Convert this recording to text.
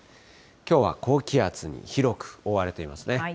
きょうは高気圧に広く覆われていますね。